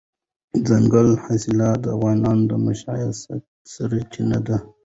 دځنګل حاصلات د افغانانو د معیشت سرچینه ده.